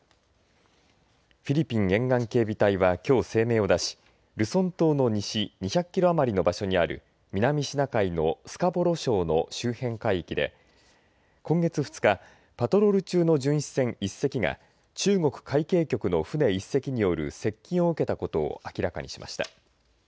フィリピン沿岸警備隊はきょう声明を出しルソン島の西２００キロ余りの場所にある南シナ海のスカボロー礁の周辺海域で今月２日、パトロール中の巡視船１隻が中国海警局の船１隻による接近を受けたことを明らかにしました。